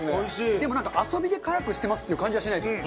でもなんか遊びで辛くしてますっていう感じはしないですね。